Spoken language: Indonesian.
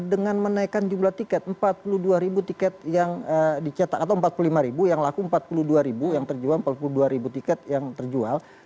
dengan menaikkan jumlah tiket empat puluh dua ribu tiket yang dicetak atau empat puluh lima ribu yang laku empat puluh dua ribu yang terjual empat puluh dua ribu tiket yang terjual